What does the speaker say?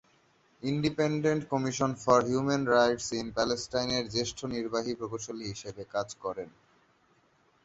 Independent commission for human rights in প্যালেস্টাইনের জ্যেষ্ঠ নির্বাহী প্রকৌশলী হিসেবে কাজ করেন।